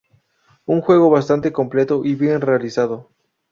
Un juego bastante completo y bien realizado".